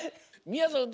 みやぞん